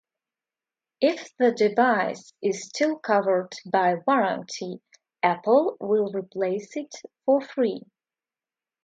If the device is still covered by warranty, Apple will replace it for free.